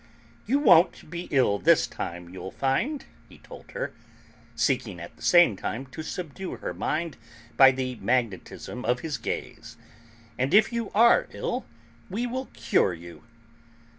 "You won't be ill this time, you'll find," he told her, seeking at the same time to subdue her mind by the magnetism of his gaze. "And, if you are ill, we will cure you."